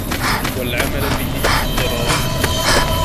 وَالْعَمَلَ بِهِ اضْطِرَارٌ